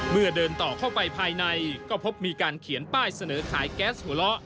เมื่อเดินต่อเข้าไปภายในก็พบมีการเขียนป้ายเสนอขายแก๊สหัวเราะ